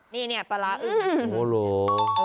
นี่ปลาร้าอึ่ง